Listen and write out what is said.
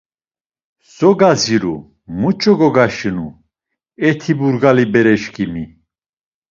So gaziru, muç̌o gogaşinu, e ti burgali bereşǩimi?